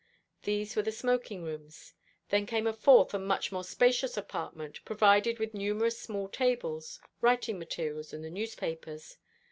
These were the smoking rooms. Then came a fourth and much more spacious apartment, provided with numerous small tables, writing materials, and the newspapers.